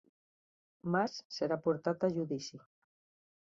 Mas serà portat a judici